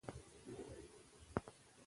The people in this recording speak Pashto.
د ریګ دښتې د افغانستان د طبیعت د ښکلا برخه ده.